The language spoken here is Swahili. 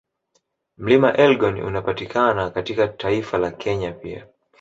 Mlima Elgoni unapatiakana katika taifa la Kenya pia